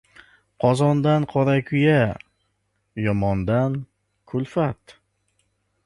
• Qozondan ― qorakuya, yomondan ― kulfat.